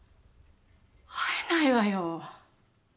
会えないわよ。